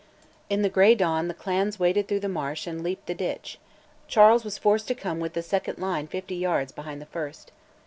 In the grey dawn the clans waded through the marsh and leaped the ditch; Charles was forced to come with the second line fifty yards behind the first.